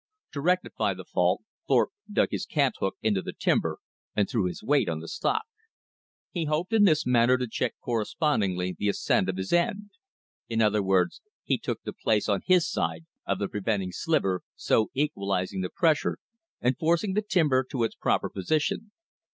To rectify the fault, Thorpe dug his cant hook into the timber and threw his weight on the stock. He hoped in this manner to check correspondingly the ascent of his end. In other words, he took the place, on his side, of the preventing sliver, so equalizing the pressure and forcing the timber to its proper position.